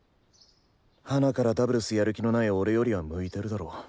ハナからダブルスやる気のない俺よりは向いてるだろ。